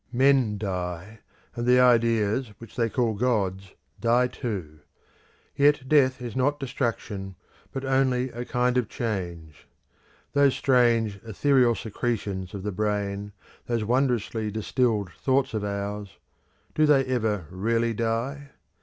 Men die, and the ideas which they call gods die too; yet death is not destruction, but only a kind of change. Those strange ethereal secretions of the brain, those wondrously distilled thoughts of ours do they ever really die?